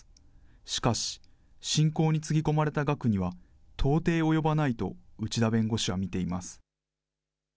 しかし、信仰につぎ込まれた額には到底及ばないと内田弁護士は見ています。